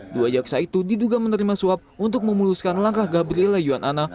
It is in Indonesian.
dua jaksa itu diduga menerima suap untuk memuluskan langkah gabriela yuanana